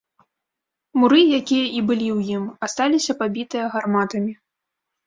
Муры, якія і былі ў ім, асталіся пабітыя гарматамі.